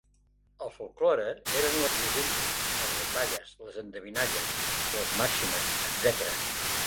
El folklore eren les llegendes, les rondalles, les endevinalles, les màximes, etcètera.